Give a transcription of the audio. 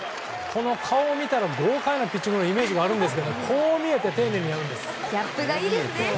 この顔を見たら豪快なピッチングのイメージがありますがこう見えて丁寧にやるんです。